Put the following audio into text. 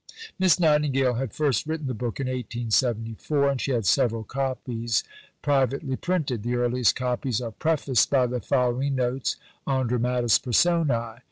Miss Nightingale had first written the book in 1874, and she had several copies privately printed. The earliest copies are prefaced by the following notes on "Dramatis Personæ."